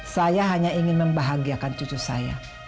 saya hanya ingin membahagiakan cucu saya